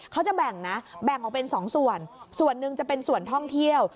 เขาจะแบ่งนะแบ่งออกเป็น๒ส่วนส่วนหนึ่งจะเป็นส่วนท่องเที่ยว